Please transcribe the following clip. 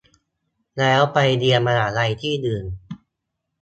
แล้วไปเรียนมหาลัยที่อื่น